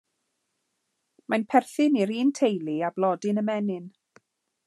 Mae'n perthyn i'r un teulu â blodyn ymenyn.